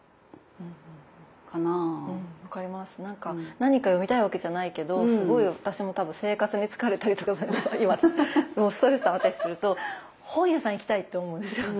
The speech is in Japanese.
何か読みたいわけじゃないけどすごい私も多分生活に疲れたりとかもうストレスたまったりとかすると本屋さん行きたいって思うんですよ。